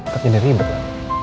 tetep jadi ribet lah